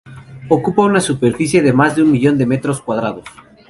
Ocupa una superficie de más de un millón de metros cuadrados.